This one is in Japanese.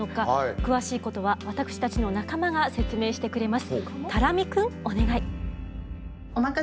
詳しいことは私たちの仲間が説明してくれます。